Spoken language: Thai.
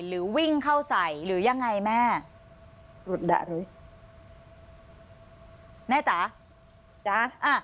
หรือวิ่งเข้าใส่หรือยังไงแม่หลุดด่าเลยแม่จ๋าจ๊ะอ่ะ